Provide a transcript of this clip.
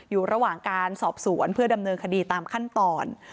อยู่ระหว่างการสอบสวนเพื่อดำเนินคดีตามขั้นตอน